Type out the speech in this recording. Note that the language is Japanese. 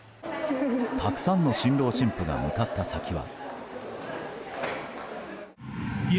たくさんの新郎新婦が向かった先は。